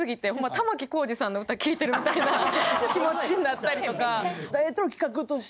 さんの歌聴いてるみたいな気持ちになったりとか。